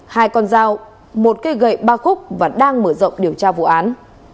hai con dao một cây gậy ba khúc và đang mở rộng điều tra vụ án